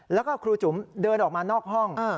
แล้วก็ครูจุ๋มเดินออกมานอกห้อง